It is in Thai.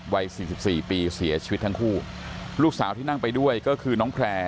วัยสี่สิบสี่ปีเสียชีวิตทั้งคู่ลูกสาวที่นั่งไปด้วยก็คือน้องแพร่